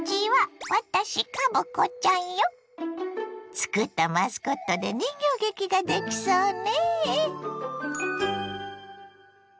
つくったマスコットで人形劇ができそうね。